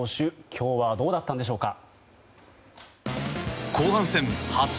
今日はどうだったんでしょうか。